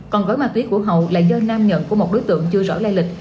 còn gói má túy của hậu là do nam nhận của một đối tượng chưa rõ lây lịch